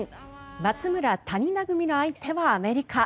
松村・谷田組の相手はアメリカ。